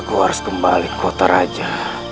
aku harus kembali ke kota raja